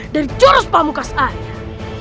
dari jurus pamukkas ayah